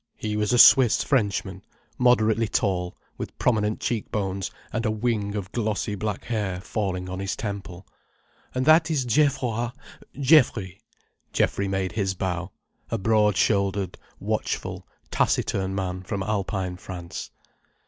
He was a Swiss Frenchman, moderately tall, with prominent cheekbones and a wing of glossy black hair falling on his temple. "And that is Géoffroi—Geoffrey—" Geoffrey made his bow—a broad shouldered, watchful, taciturn man from Alpine France.